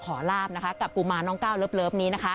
ลาบกับกุมารน้องก้าวเลิฟนี้นะคะ